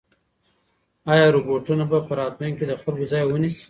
ایا روبوټونه به په راتلونکي کې د خلکو ځای ونیسي؟